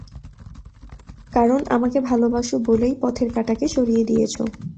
কারণ আমাকে ভালোবাসো বলেই পথের কাঁটাকে সরিয়ে দিয়েছ।